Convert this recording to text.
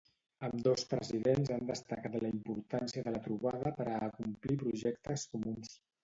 Ambdós presidents han destacat la importància de la trobada per a acomplir projectes comuns.